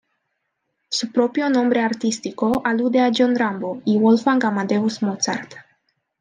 Su propio nombre artístico alude a John Rambo y Wolfgang Amadeus Mozart.